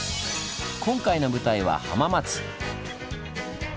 今回の舞台は浜松。